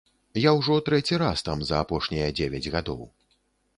Я ўжо трэці раз там за апошнія дзевяць гадоў.